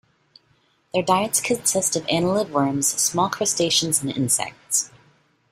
Their diets consist of annelid worms, small crustaceans, and insects.